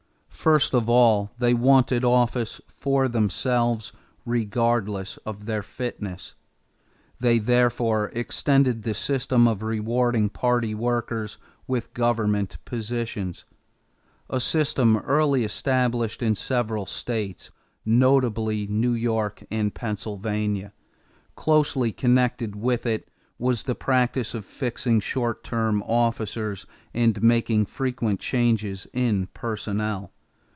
= First of all they wanted office for themselves, regardless of their fitness. They therefore extended the system of rewarding party workers with government positions a system early established in several states, notably New York and Pennsylvania. Closely connected with it was the practice of fixing short terms for officers and making frequent changes in personnel.